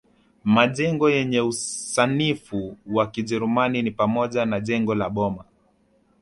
Majengo yenye usanifu wa kijerumani ni pamoja na jengo la Boma